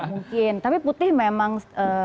mungkin tapi putih memang